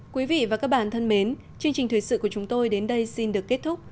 quý vị và các bạn thân mến chương trình thời sự của chúng tôi đến đây xin được kết thúc